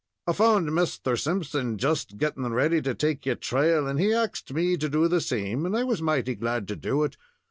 I found Misther Simpson just gettin' ready to take your trail, and he axed me to do the same, and I was mighty glad to do it.